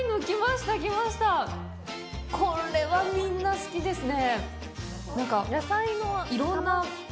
これはみんな好きですね